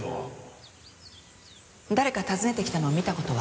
誰か訪ねてきたのを見た事は？